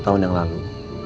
tiga puluh tahun yang lalu